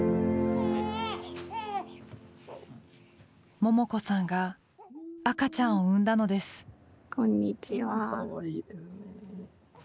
ももこさんが赤ちゃんを産んだのですこんにちは。